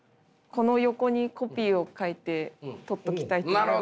この横にコピーを書いて取っときたいと思います。